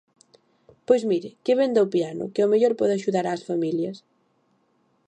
Pois mire, que venda o piano, que ao mellor pode axudar ás familias.